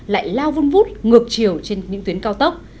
lại lao vun vút ngược chiều trên những tuyến cao tốc